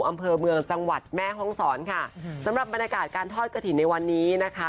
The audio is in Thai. อำเภอเมืองจังหวัดแม่ห้องศรค่ะสำหรับบรรยากาศการทอดกระถิ่นในวันนี้นะคะ